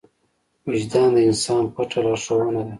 وجدان د انسان پټه لارښوونه ده.